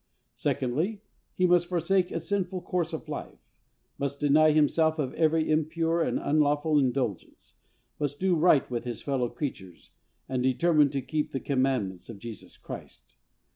Secondly. He must forsake a sinful course of life; must deny himself of every impure or unlawful indulgence; must do right with his fellow creatures, and determine to keep the commandments of Jesus Christ.